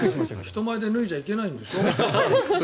人前で脱いじゃいけないんでしょ？